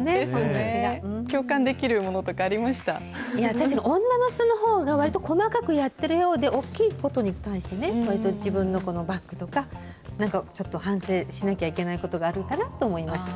ねえ、共感できるものとかありましいや、確か、女の人のほうが、わりと細かくやっているようで、大きいことに関してね、わりと自分のバッグとか、なんかちょっと、反省しなきゃいけないことがあるかなと思いました。